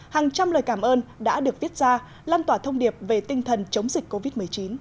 hàng trăm lời cảm ơn đã được viết ra lan tỏa thông điệp về tinh thần chống dịch covid một mươi chín